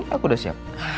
aku udah siap